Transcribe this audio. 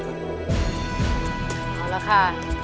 ขอละค่ะ